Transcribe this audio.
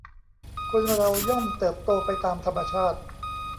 คนเราย่อมเติบโตไปตามธรรมชาติ